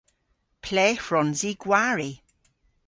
Ple hwrons i gwari?